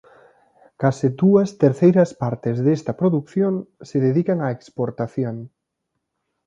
Case dúas terceiras partes desta produción se dedican á exportación.